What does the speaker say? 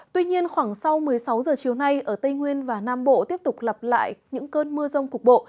tuy nhiên khoảng sau một mươi sáu h chiều nay ở tây nguyên và nam bộ tiếp tục lặp lại những cơn mưa rông cục bộ